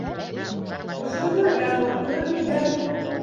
Ошонда яңғыҙ көн итәм.